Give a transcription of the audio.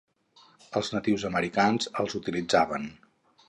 Els natius americans els utilitzaven.